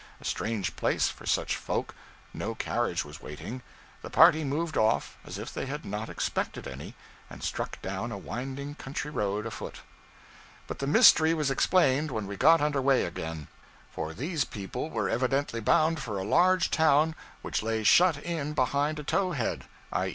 A strange place for such folk! No carriage was waiting. The party moved off as if they had not expected any, and struck down a winding country road afoot. But the mystery was explained when we got under way again; for these people were evidently bound for a large town which lay shut in behind a tow head (i.